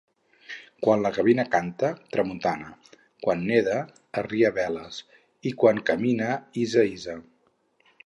Quan la gavina canta, tramuntana; quan neda, arria veles, i quan camina, hissa, hissa!